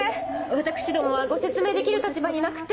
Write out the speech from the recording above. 私どもはご説明できる立場になくて。